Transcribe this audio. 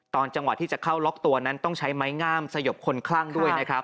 จังหวะที่จะเข้าล็อกตัวนั้นต้องใช้ไม้งามสยบคนคลั่งด้วยนะครับ